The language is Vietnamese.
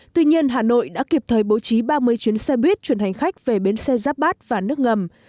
tuy nhiên hà nội đã kịp thời bố trí ba mươi chuyến xe buýt chuyển hành khách về bến xe giáp bát và nước ngầm